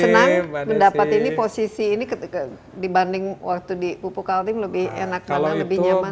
senang mendapat ini posisi ini dibanding waktu di pupuk altim lebih enak mana lebih nyaman